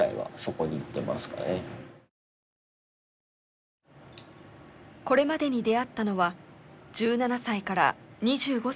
これまでに出会ったのは１７歳から２５歳の女性たちです。